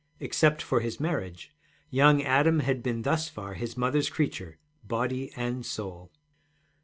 Except for his marriage, young Adam had been thus far his mother's creature, body and soul.